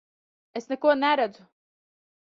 Es neko neredzu!